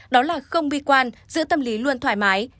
đó là không bi quan giữa tâm lý luôn thoải mái